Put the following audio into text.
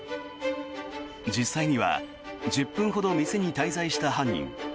実際には１０分ほど店に滞在した犯人。